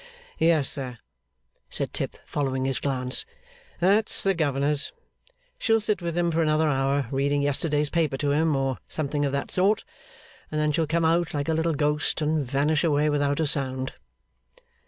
'Yes, sir,' said Tip, following his glance. 'That's the governor's. She'll sit with him for another hour reading yesterday's paper to him, or something of that sort; and then she'll come out like a little ghost, and vanish away without a sound.